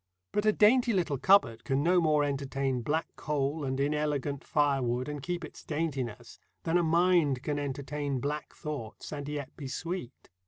But a dainty little cupboard can no more entertain black coal and inelegant firewood and keep its daintiness than a mind can entertain black thoughts and yet be sweet.